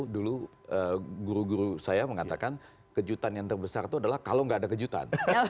dulu guru guru saya mengatakan kejutan yang terbesar itu adalah kalau nggak ada kejutan